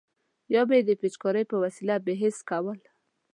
یا به یې د پیچکارۍ په وسیله بې حس کول.